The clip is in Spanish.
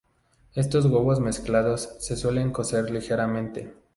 Estos huevos mezclados se suelen cocer ligeramente.